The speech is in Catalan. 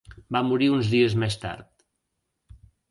Va morir uns dies més tard.